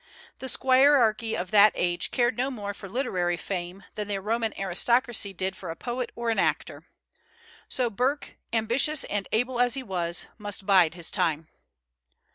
The squirearchy of that age cared no more for literary fame than the Roman aristocracy did for a poet or an actor. So Burke, ambitious and able as he was, must bide his time.